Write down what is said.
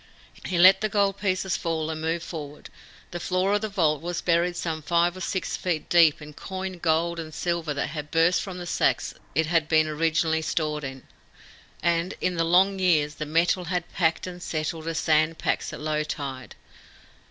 He let the gold pieces fall, and move forward. The floor of the vault was buried some five or six feet deep in coined gold and silver that had burst from the sacks it had been originally stored in, and, in the long years, the metal had packed and settled as sand packs at low tide.